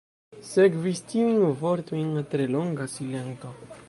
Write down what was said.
Sekvis tiujn vortojn tre longa silento.